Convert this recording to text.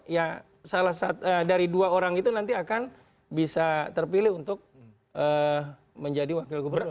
ya dari dua orang itu nanti akan bisa terpilih untuk menjadi wakil gubernur